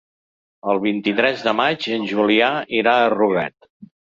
El vint-i-tres de maig en Julià irà a Rugat.